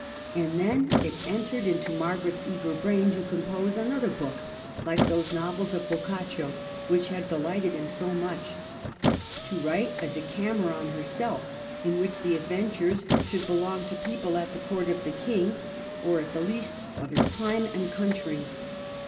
And then it entered into Margaret's eager brain to compose another book like those novels of Boccaccio which had delighted him so much, — to write a " Decameron " herself, in which the adventures should belong to people at the Court of the King, or, at the least, of his time and country.